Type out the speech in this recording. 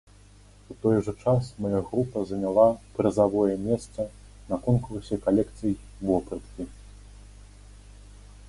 У той жа час мая група заняла прызавое месца на конкурсе калекцый вопраткі.